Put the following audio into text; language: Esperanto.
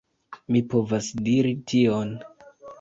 Mi povas diri tion.